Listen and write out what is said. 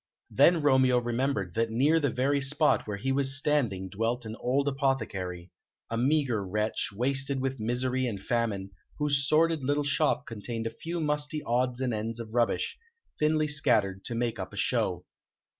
Then Romeo remembered that near the very spot where he was standing dwelt an old apothecary a meagre wretch, wasted with misery and famine, whose sordid little shop contained a few musty odds and ends of rubbish, thinly scattered to make up a show.